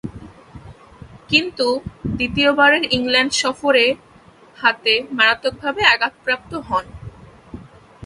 কিন্তু, দ্বিতীয়বারের ইংল্যান্ড সফরে হাতে মারাত্মকভাবে আঘাতপ্রাপ্ত হন।